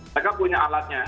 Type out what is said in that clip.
mereka punya alatnya